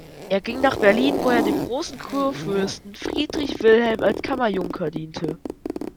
Er ging nach Berlin, wo er dem Großen Kurfürsten Friedrich Wilhelm als Kammerjunker diente.